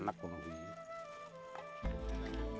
ini harus dikonsumsi oleh rakyat